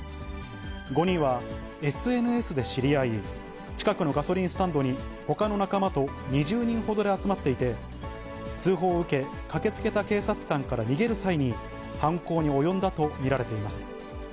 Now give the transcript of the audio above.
５人はＳＮＳで知り合い、近くのガソリンスタンドにほかの仲間と２０人ほどで集まっていて、通報を受け、駆けつけた警察官から逃げる際に、犯行に及んだと見られています。